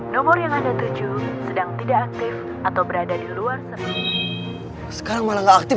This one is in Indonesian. nomor yang ada tujuh sedang tidak aktif atau berada di luar serta sekarang malah aktif